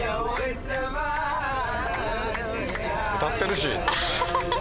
歌ってるし。